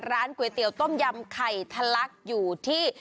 ร้านก๋วยเตี๋ยวต้มยำไข่ทะลักอยู่ที่